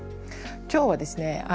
今日はですね